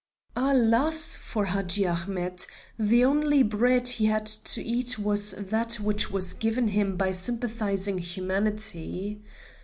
Alas! for Hadji Ahmet; the only bread he had to eat was that which was given him by sympathizing humanity.